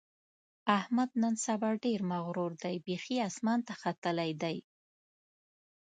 احمد نن سبا ډېر مغرور دی؛ بیخي اسمان ته ختلی دی.